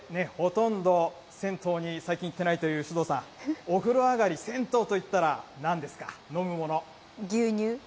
そしてほとんど銭湯に最近、行っていないという首藤さん、お風呂上がり、銭湯といったらなんですか？